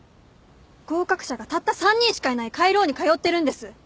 合格者がたった３人しかいない下位ローに通ってるんです。